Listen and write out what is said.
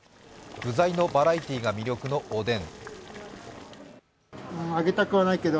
具材のバラエティーが魅力のおでん。